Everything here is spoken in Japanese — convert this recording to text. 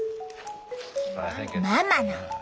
ママの。